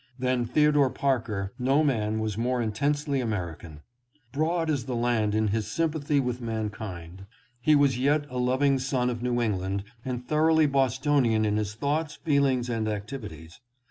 Than Theodore Parker no man was more intensely American. Broad as the land in his sympathy with mankind, he was yet a loving son of New England and thoroughly Bostonian in his thoughts, feelings and activities.